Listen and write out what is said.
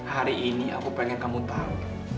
hari ini aku pengen kamu tahu